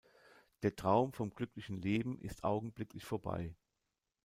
Der Traum vom glücklichen Leben ist augenblicklich vorbei.